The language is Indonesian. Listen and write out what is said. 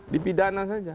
di pidana saja